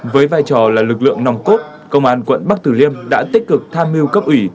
với vai trò là lực lượng nòng cốt công an quận bắc tử liêm đã tích cực tham mưu cấp ủy